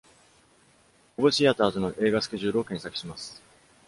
Cobb Theatres の映画スケジュールを検索します。